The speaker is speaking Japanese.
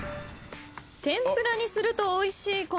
天ぷらにするとおいしい